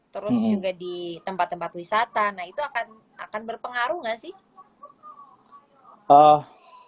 terus juga di tempat tempat wisata nah itu akan berpengaruh nggak sih